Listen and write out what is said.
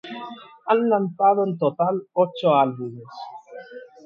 Han lanzado en total ocho álbumes.